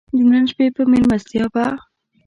د نن شپې په مېلمستیا به.